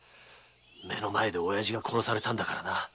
目の前で親父が殺されたんだからな。